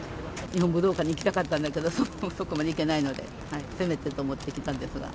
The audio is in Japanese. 日本武道館に行きたかったんだけれども、そこまで行けないので、せめてと思って来たんですが。